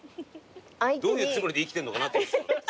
どういうつもりで生きてんのかなと。